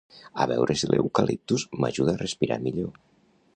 A veure si l'eucaliptus m'ajuda a respirar millor